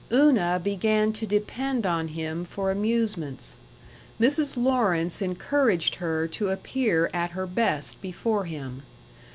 Una began to depend on him for amusements. Mrs. Lawrence encouraged her to appear at her best before him.